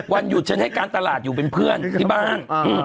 วันหยุดฉันให้การตลาดอยู่เป็นเพื่อนที่บ้าน